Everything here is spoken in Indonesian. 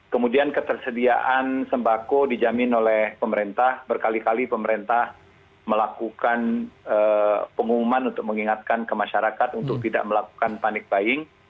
kemudian ketersediaan sembako dijamin oleh pemerintah berkali kali pemerintah melakukan pengumuman untuk mengingatkan ke masyarakat untuk tidak melakukan panic buying